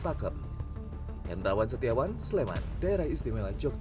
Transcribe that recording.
pakem yang rawan setiawan sleman daerah istimewa jogja